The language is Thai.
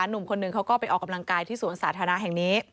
หนุ่มคนหนึ่งเขาก็ไปออกกำลังกายที่สวนสาธารณะแห่งนี้